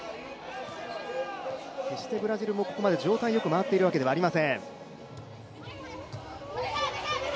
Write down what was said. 決してブラジルもここまで状態よく回っているわけではありません。